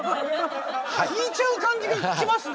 引いちゃう感じで引きますね。